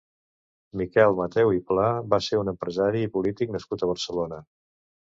Miquel Mateu i Pla va ser un empresari i polític nascut a Barcelona.